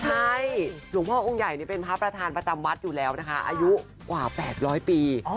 ใช่หลวงพ่อองค์ใหญ่เป็นพระประธานประจำวัดอยู่แล้วนะคะอายุกว่า๘๐๐ปี